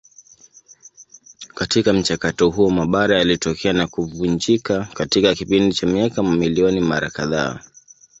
Katika mchakato huo mabara yalitokea na kuvunjika katika kipindi cha miaka mamilioni mara kadhaa.